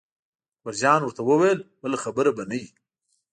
اکبر جان ورته وویل بله خبره به نه وي.